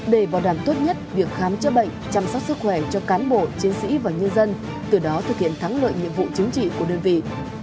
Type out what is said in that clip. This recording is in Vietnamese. để bảo đảm tốt nhất việc khám chữa bệnh chăm sóc sức khỏe cho cán bộ chiến sĩ và nhân dân từ đó thực hiện thắng lợi nhiệm vụ chính trị của đơn vị